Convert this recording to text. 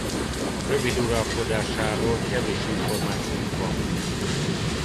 Rövid uralkodásáról kevés információnk van.